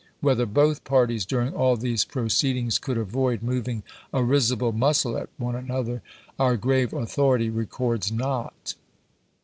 Whether both parties during all these proceedings could avoid moving a risible muscle at one another, our grave authority records not.